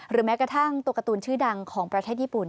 แม้กระทั่งตัวการ์ตูนชื่อดังของประเทศญี่ปุ่น